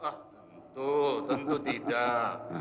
oh tentu tentu tidak